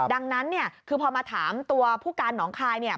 ดังนั้นเนี่ยคือพอมาถามตัวผู้การหนองคายเนี่ย